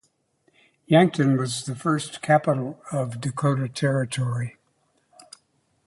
Yankton was the first capital of Dakota Territory.